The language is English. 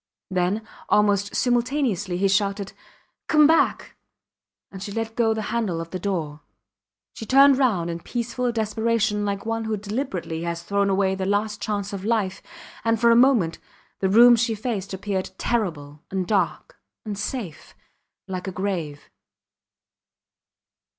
Then, almost simultaneously, he shouted, Come back! and she let go the handle of the door. She turned round in peaceful desperation like one who deliberately has thrown away the last chance of life; and, for a moment, the room she faced appeared terrible, and dark, and safe like a grave.